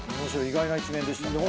意外な一面でしたね。